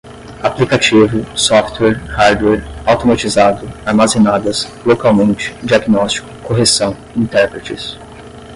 aplicativo, software, hardware, automatizado, armazenadas, localmente, diagnóstico, correção, intérpretes